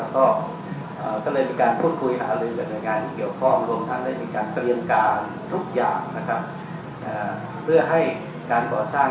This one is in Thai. ก็เลยมีการพูดคุยหนาเรื่องกับหน่วยงานที่เกี่ยวข้องรวมทั้งเป็นการเตรียมการทุกอย่าง